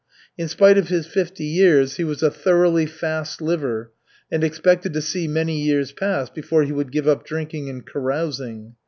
In spite of his fifty years he was a thoroughly fast liver and expected to see many years pass before he would give up drinking and carousing.